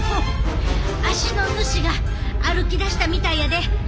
足の主が歩きだしたみたいやで。